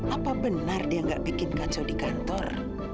apa benar dia nggak bikin kacau di kantor